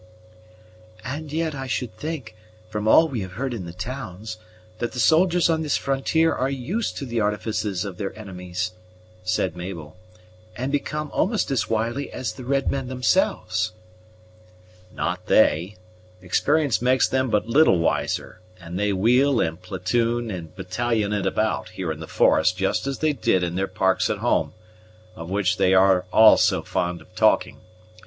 "And yet I should think, from all we have heard in the towns, that the soldiers on this frontier are used to the artifices of their enemies," said Mabel, "and become almost as wily as the red men themselves." "Not they. Experience makes them but little wiser; and they wheel, and platoon, and battalion it about, here in the forest, just as they did in their parks at home, of which they are all so fond of talking.